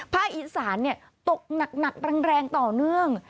อีสานตกหนักแรงต่อเนื่อง